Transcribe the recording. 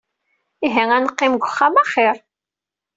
Ihi ad neqqim deg uxxam axir.